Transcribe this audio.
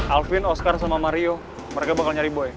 alvin oscar sama mario mereka bakal nyari boy